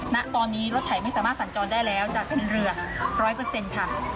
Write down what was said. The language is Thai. ณตอนนี้รถไถไม่สามารถสัญจรได้แล้วจะเป็นเรือ๑๐๐ค่ะ